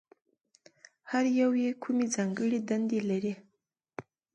هر یو یې کومې ځانګړې دندې لري؟